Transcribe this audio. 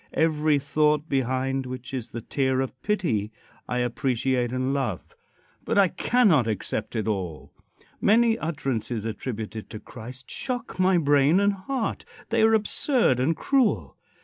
Every thought, behind which is the tear of pity, I appreciate and love. But I cannot accept it all. Many utterances attributed to Christ shock my brain and heart. They are absurd and cruel.